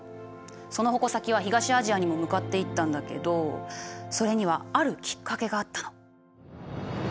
その矛先は東アジアにも向かっていったんだけどそれにはあるきっかけがあったの。